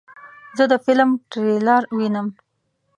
زه د فلم ټریلر وینم.